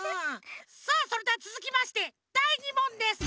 さあそれではつづきましてだい２もんです。